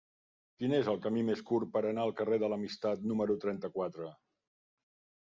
Quin és el camí més curt per anar al carrer de l'Amistat número trenta-quatre?